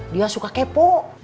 dia suka kepo